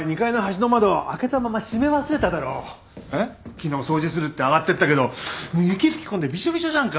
昨日掃除するって上がってったけど雪吹き込んでビショビショじゃんか。